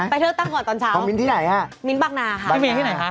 ไปเทือกตั้งก่อนใช่ไหม